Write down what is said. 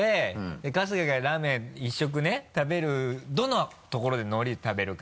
で春日がラーメン１食ね食べるどのところで海苔食べるか？